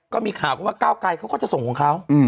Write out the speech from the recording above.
ก็มีข่าวกันว่าก้าวไกรเขาก็จะส่งของเขา